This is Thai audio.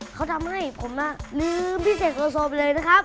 เขาทำให้ผมลืมพี่เศกโตโซมเลย